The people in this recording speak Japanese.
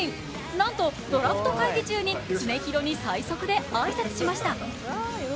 なんとドラフト会議中に常廣に最速で挨拶しました。